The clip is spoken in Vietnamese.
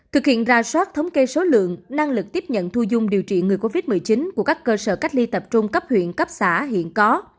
thực hiện ra soát thống kê số lượng năng lực tiếp nhận thu dung điều trị người covid một mươi chín của các cơ sở cách ly tập trung cấp huyện cấp xã hiện có